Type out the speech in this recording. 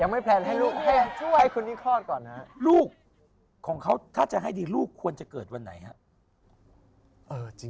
มันยังว่าให้ลูกเกิดปีกุล